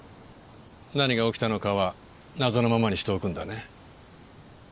何が起きたのかは謎のままにしておくんだね。